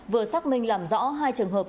vừa xác minh làm rõ hai trường hợp